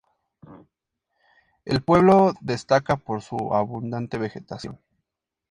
El pueblo destaca por su abundante vegetación.